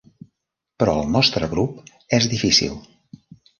Però el nostre grup és difícil.